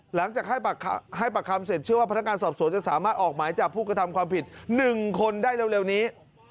หลังจากให้ปากคำเสร็จเชื่อว่าพนักงานสอบสวนจะสามารถออกหมายจับผู้กระทำความผิด๑คนได้เร็วนี้